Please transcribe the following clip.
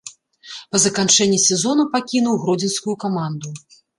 Па заканчэнні сезону пакінуў гродзенскую каманду.